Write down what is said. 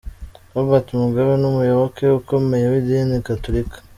Robert Mugabe n’umuyoboke ukomeye w’idini Gatulika.